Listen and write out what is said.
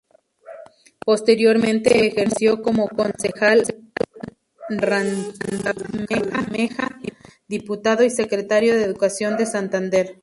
Posteriormente ejerció como concejal de Barrancabermeja, Diputado y Secretario de Educación de Santander.